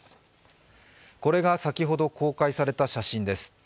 これが先ほど公開された写真です。